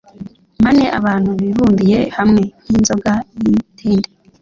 mpane abantu bibumbiye hamwe nk inzoga y itende